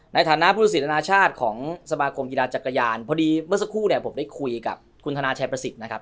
ในฐานะผู้ตัดสินอนาชาติของสมาคมกีฬาจักรยานพอดีเมื่อสักครู่เนี่ยผมได้คุยกับคุณธนาชัยประสิทธิ์นะครับ